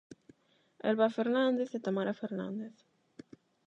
Elba Fernández e Tamara Fernández.